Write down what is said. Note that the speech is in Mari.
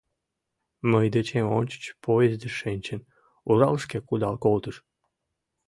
Мый дечем ончыч поездыш шинчын, Уралышке кудал колтыш.